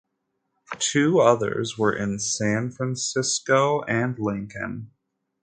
Two others were in San Francisco and Lincoln.